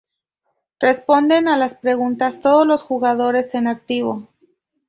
Responden a las preguntas todos los jugadores en activo.